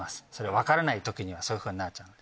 分からない時にはそういうふうになっちゃうんで。